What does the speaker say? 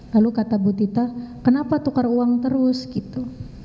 lalu kata bu tita kenapa tukar uang terus gitu